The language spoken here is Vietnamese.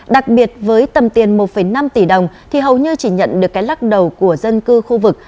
đặc biệt với tầm tiền một năm tỷ đồng thì hầu như chỉ nhận được cái lắc đầu của dân cư khu vực